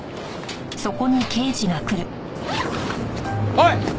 おい！